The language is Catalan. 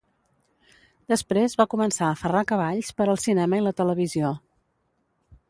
Després va començar a ferrar cavalls per al cinema i la televisió.